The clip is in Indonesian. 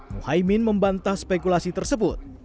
mohaimin membantah spekulasi tersebut